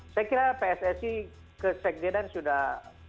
saya kira pssi kesejahteraan sudah